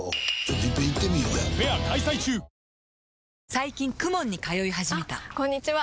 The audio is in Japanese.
最近 ＫＵＭＯＮ に通い始めたあこんにちは！